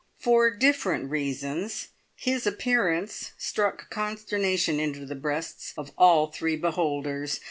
For different reasons his appearance struck consternation into the breasts of all three beholders.